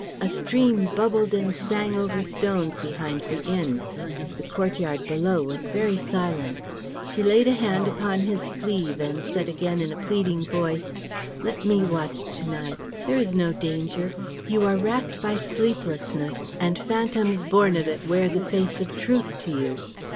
A stream bubbled and sang over stones behind the inn. The courtyard below was very silent. She laid a hand upon his sleeve and said again in a pleading voice, "Let me watch to night. There is no danger. You are racked by sleeplessness, and phantoms born of it wear the face of truth to you.